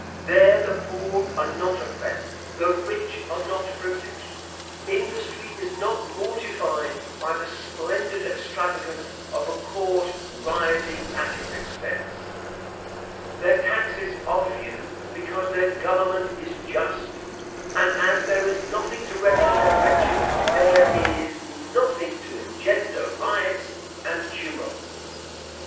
There the poor are not oppressed, the rich are not privileged. Industry is not mortified by the splendid extravagance of a court rioting at its expense. Their taxes are few, because their government is just: and as there is nothing to render them wretched, there is nothing to engender riots and tumults.